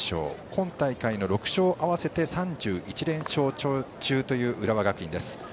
今大会の６勝を合わせて３１連勝中という浦和学院です。